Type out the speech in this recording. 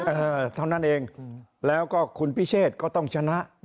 เออเท่านั้นเองแล้วก็คุณพิเชษก็ต้องชนะ